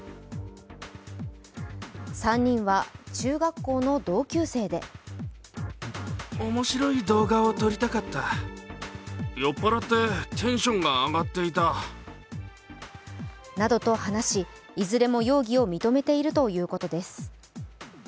３人は中学校の同級生でなどと話し、いずれも容疑を認めているということです。